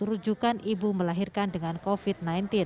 rujukan ibu melahirkan dengan covid sembilan belas